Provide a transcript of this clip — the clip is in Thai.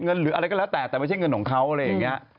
หรืออะไรก็แล้วแต่แต่ไม่ใช่เงินของเขาอะไรอย่างนี้